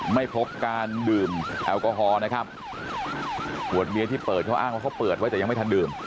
ไม่พบการดื่มแอลกอฮอล์นะครับขวดเบียร์ที่เปิดเขาอ้างว่าเขาเปิดไว้แต่ยังไม่ทันดื่ม